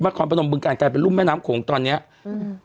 คอนพนมบึงการกลายเป็นรุ่มแม่น้ำโขงตอนเนี้ยอืม